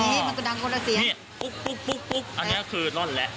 เออมันก็ดังกว่าเซียงอันนี้คือร่อนแล้ว